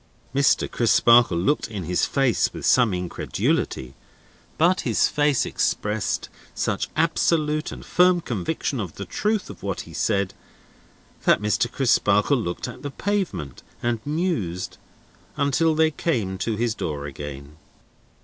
Mr. Crisparkle looked in his face, with some incredulity; but his face expressed such absolute and firm conviction of the truth of what he said, that Mr. Crisparkle looked at the pavement, and mused, until they came to his door again.